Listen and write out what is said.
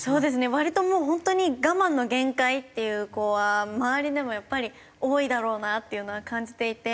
割ともう本当に我慢の限界っていう子は周りでもやっぱり多いだろうなっていうのは感じていて。